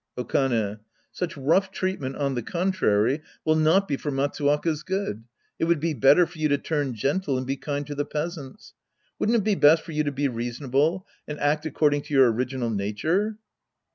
Okane. Such rough treatment on the contrary will not be for Matsuwaka's good. It would be better for you to turn gentle and be kind to the peas ants. Wouldn't it be best for you to be reasonable and act according to your original nature.